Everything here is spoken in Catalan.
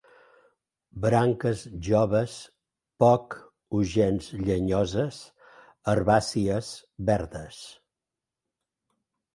Branques joves poc o gens llenyoses, herbàcies, verdes.